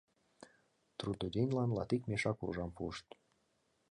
Трудоденьлан латик мешак уржам пуышт.